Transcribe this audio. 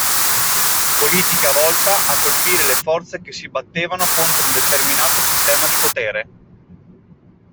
Politica volta a colpire le forze che si battevano contro un determinato sistema di potere.